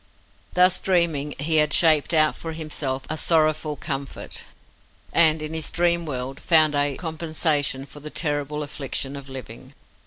Thus dreaming, he had shaped out for himself a sorrowful comfort, and in his dream world found a compensation for the terrible affliction of living.